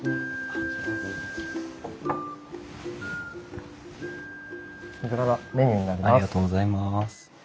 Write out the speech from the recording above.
ありがとうございます。